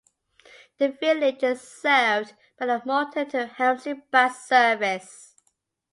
The village is served by the Malton to Helmsley bus service.